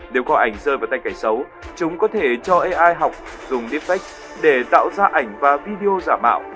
nếu kho ảnh rơi vào tay kẻ xấu chúng có thể cho ai học dùng defect để tạo ra ảnh và video giả mạo